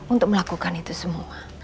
untuk melakukan itu semua